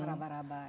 masih beraba aba ya